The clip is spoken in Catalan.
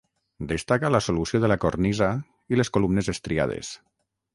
Destaca la solució de la cornisa, i les columnes estriades.